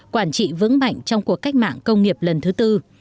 quản trị vững mạnh trong cuộc cách mạng công nghiệp lần thứ tư